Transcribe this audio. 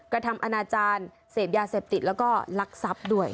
กระทำอนาจารย์เสพยาเสพติดแล้วก็ลักทรัพย์ด้วย